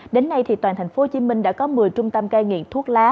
đến nay toàn thành phố hồ chí minh đã có một mươi trung tâm ca nghiện thuốc lá